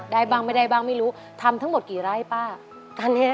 ได้บ้างไม่ได้บ้างไม่รู้ทำทั้งหมดกี่ไร่ป้าตอนนี้